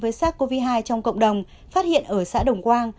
với sars cov hai trong cộng đồng phát hiện ở xã đồng quang